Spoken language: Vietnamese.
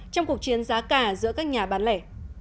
trong cuộc chiến giá cả giữa các nhà bán lẻ